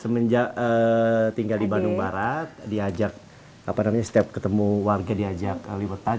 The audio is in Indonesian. semenjak tinggal di bandung barat diajak setiap ketemu warga diajak